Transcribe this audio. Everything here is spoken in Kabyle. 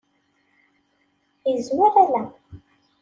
Yezmer ala.